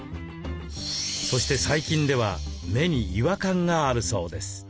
そして最近では目に違和感があるそうです。